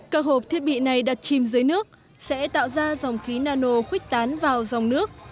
các hộp thiết bị này đặt chìm dưới nước sẽ tạo ra dòng khí nano khuếch tán vào dòng nước